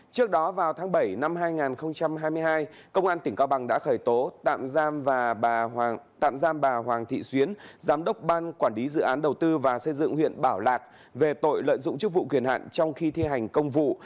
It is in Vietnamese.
trước đó vào tháng bảy năm hai nghìn hai mươi hai công an tỉnh cao bằng đã khởi tố tạm giam và tạm giam bà hoàng thị xuyến giám đốc ban quản lý dự án đầu tư và xây dựng huyện bảo lạc về tội lợi dụng chức vụ quyền hạn trong khi thi hành công vụ